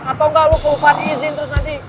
atau gak lu kelupaan izin terus nanti